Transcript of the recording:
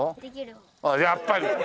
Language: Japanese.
やっぱり。